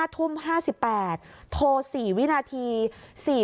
๕ทุ่ม๕๘โทร๔วินาที